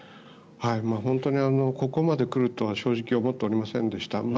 本当にここまで来るとは正直思っていませんでした。